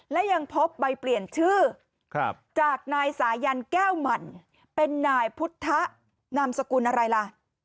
และยังพบใบเปลี่ยนชื่อจากนายสายันแก้วหมั่นเป็นนายพุทธนามสกุลอะไรล่ะ